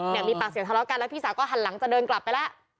เนี่ยมีปากเสียงทะเลาะกันแล้วพี่สาวก็หันหลังจะเดินกลับไปแล้ว